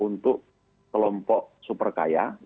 untuk kelompok super kaya